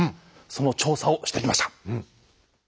その調査をしてきました。